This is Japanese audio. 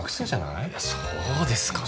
いやそうですかね？